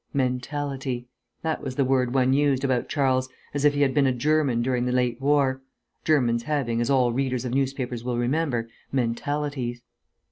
Mentality: that was the word one used about Charles, as if he had been a German during the late war (Germans having, as all readers of newspapers will remember, mentalities).